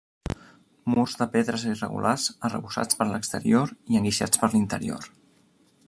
Murs de pedres irregulars arrebossats per l'exterior i enguixats per l'interior.